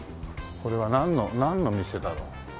これはなんのなんの店だろう？